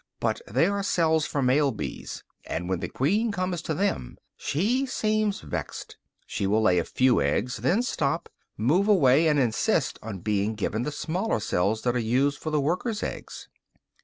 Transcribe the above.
But they are cells for male bees; and when the queen comes to them, she seems vexed; she will lay a few eggs, then stop, move away, and insist on being given the smaller cells that are used for the workers' eggs.